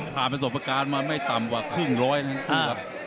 ผ่านเป็นสมประการมาไม่ต่ำกว่าครึ่งร้อยทั้งคู่ครับ